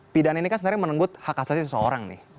pidana ini kan sebenarnya menenggut hak asasi seseorang nih